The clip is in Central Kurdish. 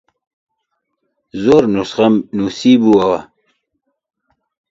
زۆر نوسخەم نووسیبۆوە